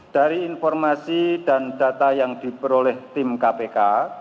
dari informasi dan data yang diperoleh tim kpk